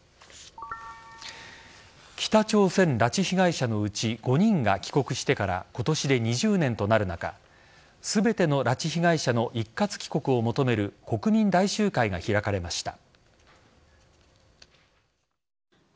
北朝鮮拉致被害者のうち５人が帰国してから今年で２０年となる中全ての拉致被害者の一括帰国を求める国民大集会が開かれました。